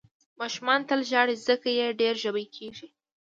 ماشومان تل ژاړي، ځکه یې ډېر ژبۍ کېږي.